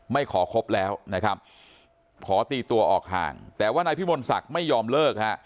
ขอคบแล้วนะครับขอตีตัวออกห่างแต่ว่านายพิมลศักดิ์ไม่ยอมเลิกฮะ